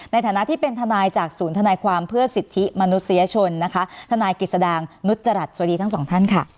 ในฐานะที่เป็นทนายจากศูนย์ธนายความเพื่อสิทธิมนุษยชนนะคะทนายกิจสดางนุจจรัสสวัสดีทั้งสองท่านค่ะ